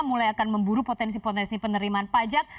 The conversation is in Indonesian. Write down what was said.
mulai akan memburu potensi potensi penerimaan pajak